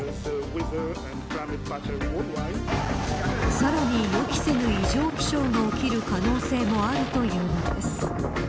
さらに予期せぬ異常気象の起きる可能性もあるというのです。